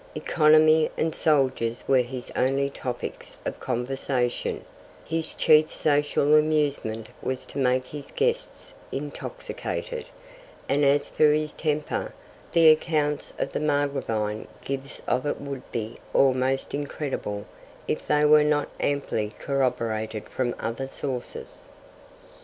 Economy and soldiers were his only topics of conversation; his chief social amusement was to make his guests intoxicated; and as for his temper, the accounts the Margravine gives of it would be almost incredible if they were not amply corroborated from other sources.